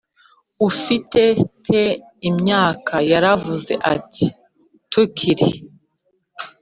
Ufitete imyaka yaravuze ati tukiri